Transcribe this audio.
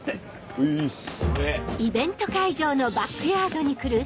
ういっす。